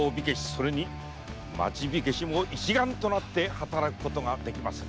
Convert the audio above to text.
それに町火消しも一丸となって働くことができまする。